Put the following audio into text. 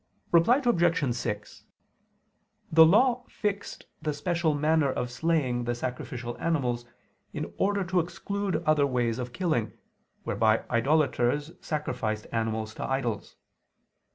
Reply Obj. 6: The Law fixed the special manner of slaying the sacrificial animals in order to exclude other ways of killing, whereby idolaters sacrificed animals to idols.